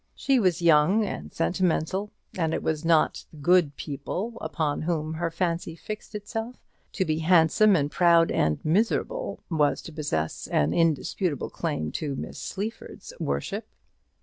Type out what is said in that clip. She was young and sentimental, and it was not the good people upon whom her fancy fixed itself. To be handsome and proud and miserable, was to possess an indisputable claim to Miss Sleaford's worship.